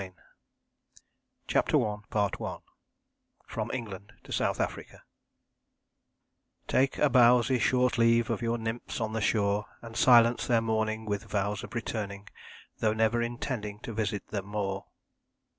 Milne. CHAPTER I FROM ENGLAND TO SOUTH AFRICA Take a bowsy short leave of your nymphs on the shore, And silence their mourning with vows of returning, Though never intending to visit them more.